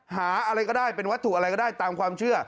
หาอะไรก็ได้เป็นวัตถุอะไรก็ได้ตามความเชื่อ